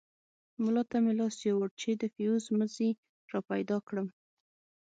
ملا ته مې لاس يووړ چې د فيوز مزي راپيدا کړم.